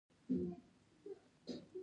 بویونه یې بیل دي.